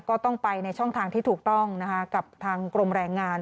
ก็ต้องไปในช่องทางที่ถูกต้องกับทางกรมแรงงาน